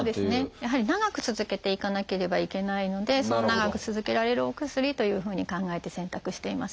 やはり長く続けていかなければいけないので長く続けられるお薬というふうに考えて選択しています。